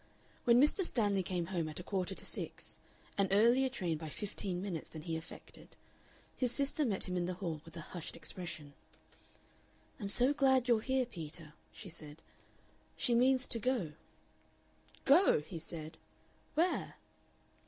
When Mr. Stanley came home at a quarter to six an earlier train by fifteen minutes than he affected his sister met him in the hall with a hushed expression. "I'm so glad you're here, Peter," she said. "She means to go." "Go!" he said. "Where?"